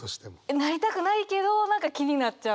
なりたくないけど何か気になっちゃう。